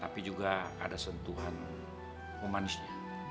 tapi juga ada sentuhan humanisnya